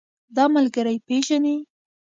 دا ملګری پيژنې؟